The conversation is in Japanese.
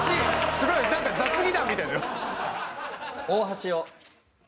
すごいなんか雑技団みたいだよ。